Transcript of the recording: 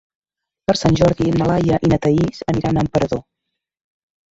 Per Sant Jordi na Laia i na Thaís aniran a Emperador.